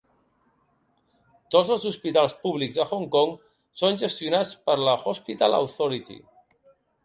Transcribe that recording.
Tots els hospitals públics de Hong Kong són gestionats per l'Hospital Authority.